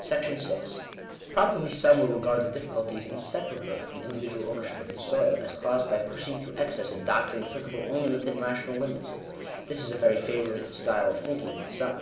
§6 Probably some will regard the difficulties inseparable from individual ownership of the soil, as caused by pushing to ex cess a doctrine applicable only within rational limits. This is a very favourite style of thinking with some.